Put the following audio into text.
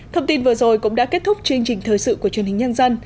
thông tin vừa rồi cũng đã kết thúc chương trình thời sự của truyền hình nhân dân